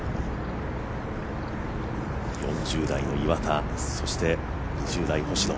４０代の岩田、そして２０代の星野。